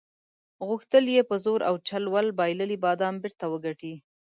غوښتل یې په زور او چل ول بایللي بادام بیرته وګټي.